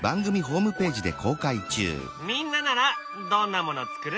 みんなならどんなもの作る？